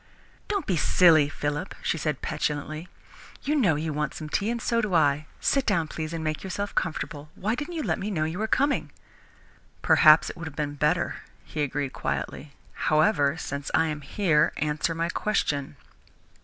"Don't be silly, Philip," she said petulantly. "You know you want some tea, and so do I. Sit down, please, and make yourself comfortable. Why didn't you let me know you were coming?" "Perhaps it would have been better," he agreed quietly. "However, since I am here, answer my question."